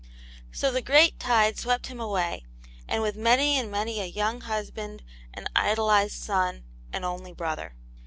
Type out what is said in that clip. So the great tide swept him away, and with him many and many a young husband, an idolized son, an only brother.